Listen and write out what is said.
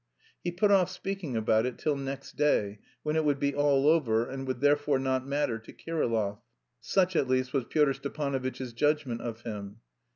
He put off speaking about it till next day, when it would be all over and would therefore not matter to Kirillov; such at least was Pyotr Stepanovitch's judgment of him.